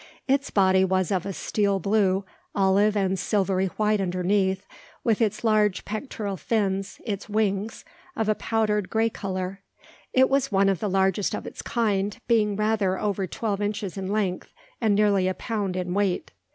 Its body was of a steel blue, olive and silvery white underneath, with its large pectoral fins (its wings) of a powdered grey colour. It was one of the largest of its kind, being rather over twelve inches in length, and nearly a pound in weight.